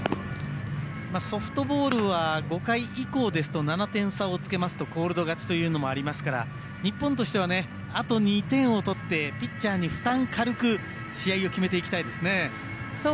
ソフトボールは５回以降ですと７点差をつけますとコールド勝ちということもありますが日本としては、あと２点を取ってピッチャーに負担軽く試合を決めていきたいですね。